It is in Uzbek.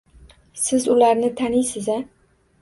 Siz ularni taniysiz-a?